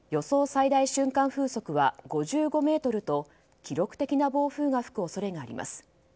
最大瞬間風速は５５メートルと記録的な暴風が吹く恐れがあります。